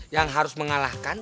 yang harus mengalahkan